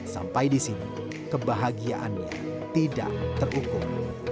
sampai di sini kebahagiaannya tidak terukur